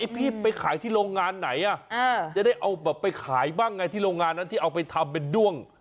พี่ไปขายที่โรงงานไหนจะได้เอาแบบไปขายบ้างไงที่โรงงานนั้นที่เอาไปทำเป็นด้วง